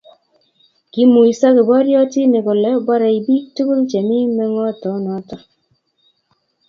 Kiimuiso kiboriotinik kole borei bik tugul chemi mengotonoto